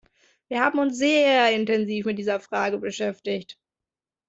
Wir haben uns sehr intensiv mit dieser Frage beschäftigt.